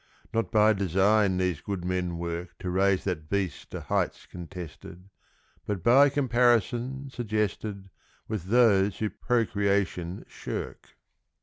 Not by design these good men work To raise that beast to heights contested, But by comparison, suggested, With those who procreation shirk.